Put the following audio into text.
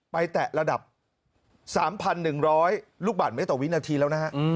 แตะระดับ๓๑๐๐ลูกบาทเมตรต่อวินาทีแล้วนะฮะ